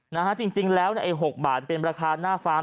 นะฮะจริงแล้วเนี่ยไอ้หกบาทเป็นราคาหน้าฟาร์ม